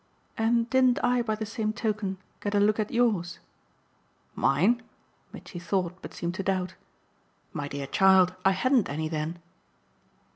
"And didn't I by the same token get a look at yours?" "Mine?" Mitchy thought, but seemed to doubt. "My dear child, I hadn't any then."